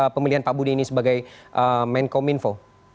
pemilihan pak budi ini sebagai menko minfo